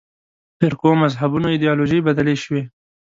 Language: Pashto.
فرقو مذهبونو ایدیالوژۍ بدلې شوې.